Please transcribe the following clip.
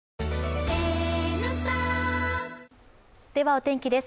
お天気です。